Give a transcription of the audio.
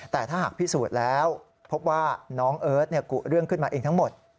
แต่ถ้าหากพิสูจน์แล้วพบว่าน้องเอิร์ทกุเรื่องขึ้นมาเองทั้งหมด